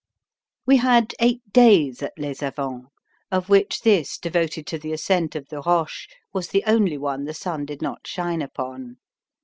We had eight days at Les Avants, of which this devoted to the ascent of the Roches was the only one the sun did not shine upon.